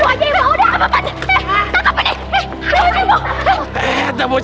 warna kecil dalam